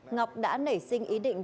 ngọc đã nảy sinh ý định